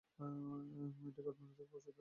এটি কাঠমান্ডু থেকে প্রকাশিত হতো।